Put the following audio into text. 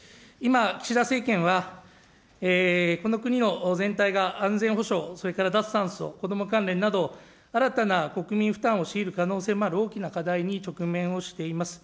今、岸田政権はこの国の全体が安全保障、それから脱炭素、子ども関連など、新たな国民負担を強いる可能性もある大きな課題に直面をしています。